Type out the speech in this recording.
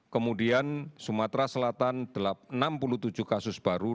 kemudian sumatera selatan enam puluh tujuh kasus baru